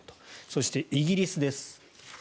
そしてイギリスです。